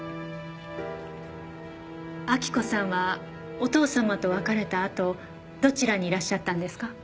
明子さんはお父様と別れたあとどちらにいらっしゃったんですか？